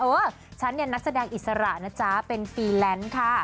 เออฉันเนี่ยนักแสดงอิสระนะจ๊ะเป็นฟีแลนซ์ค่ะ